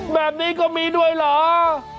แบบนี้ก็มีด้วยเหรอ